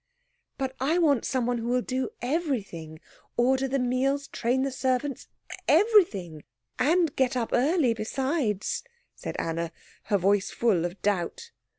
"But I want someone who will do everything order the meals, train the servants everything. And get up early besides," said Anna, her voice full of doubt.